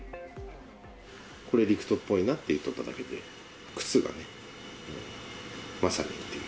これ、陸人っぽいなって言うとっただけで、靴がね、まさにっていう。